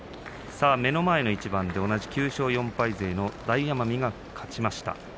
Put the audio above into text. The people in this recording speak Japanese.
目の前の一番同じ９勝４敗勢の大奄美が勝ちました。